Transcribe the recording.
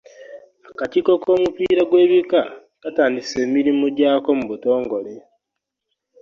Akakiiko k'omupiira gw'ebika katandise emirimu gyako mu butongole.